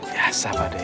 tuh udah pas